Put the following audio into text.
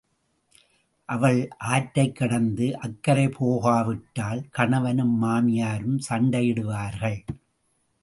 அவள் ஆற்றைக் கடந்து அக்கரை போகாவிட்டால், கணவனும் மாமியாரும் சண்டையிடுவார்கள்.